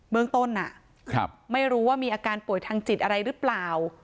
เมืองต้นไม่รู้ว่ามีอาการป่วยทางจิตอะไรหรือเปล่า